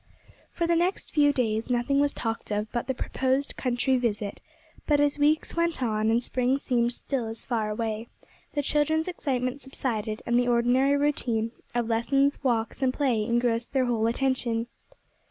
For the next few days nothing was talked of but the proposed country visit; but as weeks went on, and spring seemed still as far away, the children's excitement subsided, and the ordinary routine of lessons, walks, and play engrossed their whole attention.